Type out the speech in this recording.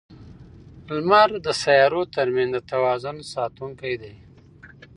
لمر د سیارو ترمنځ د توازن ساتونکی دی.